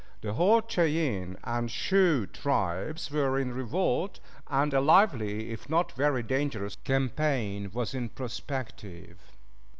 The whole Cheyenne and Sioux tribes were in revolt, and a lively, if not very dangerous, campaign was in prospective.